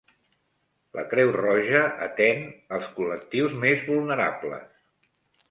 La Creu Roja atén els col·lectius més vulnerables.